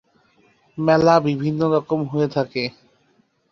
মেলা বিভিন্ন রকম হয়ে থাকে।